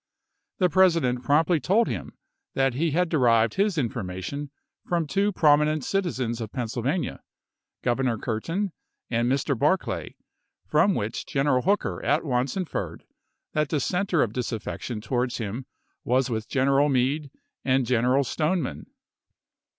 The President promptly told him that he had derived his informa tion from two prominent citizens of Pennsylvania, Report Governor Curtin and Mr. Barclay, from which ™ conduct General Hooker at once inferred that the center of waVisk disaffection towards him was with General Meade P?i5i7 and General Stoneman.